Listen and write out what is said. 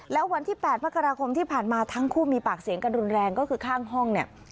แล้ววันที่๘มกราคมที่ผ่านมาทั้งคู่มีปากเสียงกันรุนแรงก็คือข้างห้องเนี่ย